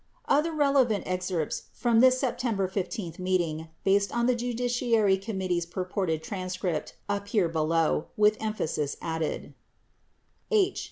Other relevant excerpts from this September 15 meeting based on the Judiciary Committee's purported transcript appear below, with emphasis added : H.